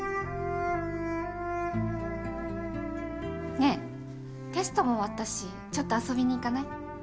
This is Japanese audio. ねえテストも終わったしちょっと遊びに行かない？